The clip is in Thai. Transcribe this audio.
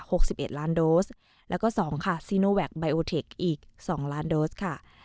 สิบเอ็ดล้านโดสแล้วก็สองค่ะซีโนแวคไบโอเทคอีกสองล้านโดสค่ะ